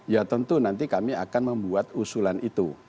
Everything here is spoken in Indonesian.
ya tentu nanti kami akan membuat usulan itu